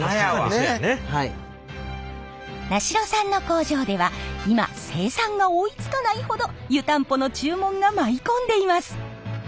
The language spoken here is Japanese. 名城さんの工場では今生産が追いつかないほど湯たんぽの注文が舞い込んでいます。